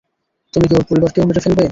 তুমি কি ওর পরিবারকেও মেরে ফেলবে?